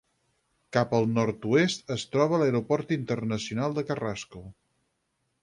Cap al nord-oest es troba l'Aeroport Internacional de Carrasco.